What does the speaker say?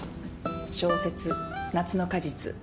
小説「夏の果実」